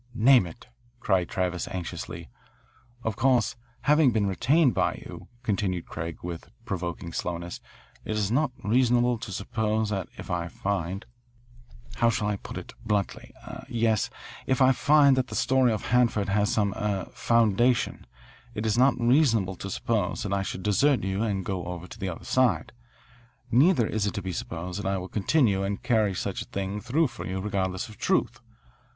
"Name it," cried Travis anxiously. "Of course, having been retained by you," continued Craig with provoking slowness, "it is not reasonable to suppose that if I find how shall I put it bluntly, yes? if I find that the story of Hanford has some er foundation, it is not reasonable to suppose that I should desert you and go over to the other side. Neither is it to be supposed that I will continue and carry such a thing through for you regardless of truth.